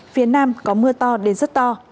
phía nam có mưa to đến rất to